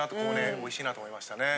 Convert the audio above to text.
おいしいなと思いましたね。